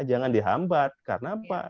jangan dihambat karena apa